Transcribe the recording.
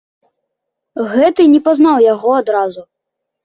Гэты не пазнаў яго адразу.